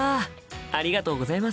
ありがとうございます。